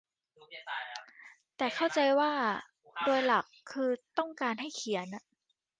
แต่เข้าใจว่าโดยหลักคือต้องการให้เขียน